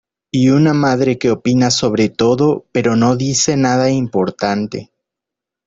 Y una madre que opina sobre todo, pero no dice nada importante.